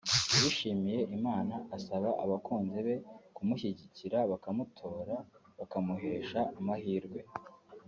yabishimiye Imana asaba abakunzi be kumushyigikira bakamutora bakamuhesha amahirwe